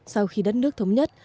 sau khi đất nước thống nhất